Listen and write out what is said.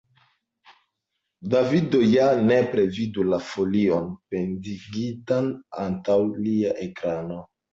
Davido ja nepre vidu la folion pendigitan antaŭ lia ekrano.